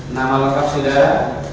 nama lengkap saudara